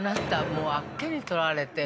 もうあっけに取られてる。